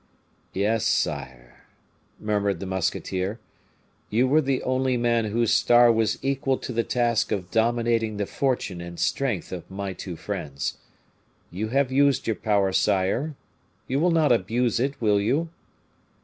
"Yes, sire," murmured the musketeer, "you were the only man whose star was equal to the task of dominating the fortune and strength of my two friends. You have used your power, sire, you will not abuse it, will you?"